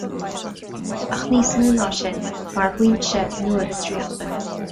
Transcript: Ach níos mó ná sin, mar fhoinse nualitríochta.